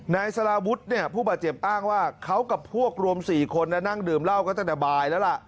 นายสระบุธเนี่ยผู้บาดเจ็บอ้างว่าเขากับพวกรวมสี่คนน่ะนั่งดื่มเหล้าก็จะแต่บ่ายแล้วล่ะ